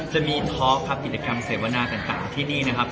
จะมีทอล์กครับกิจกรรมเสวนาต่างที่นี่นะครับ